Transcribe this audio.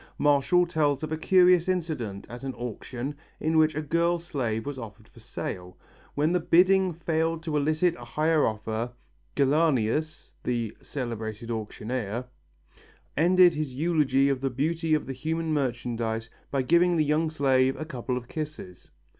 Martial tells of a curious incident at an auction in which a girl slave was offered for sale. When the bidding failed to elicit a higher offer, Gellianus, the celebrated auctioneer, ended his eulogy of the beauty of the human merchandize by giving the young slave a couple of kisses.